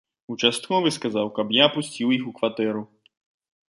Участковы сказаў, каб я пусціў іх у кватэру.